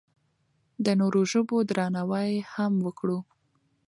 د نورو ژبو درناوی هم وکړو.